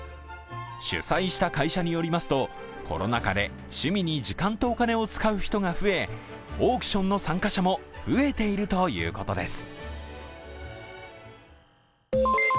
主催した会社によりますと、コロナ禍で趣味に時間とお金を使う人が増えオークションの参加者も増えているということです。